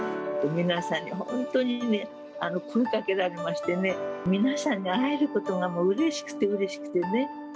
皆さんに本当にね、声をかけられましてね、皆さんに会えることが、もううれしくてうれしくてね。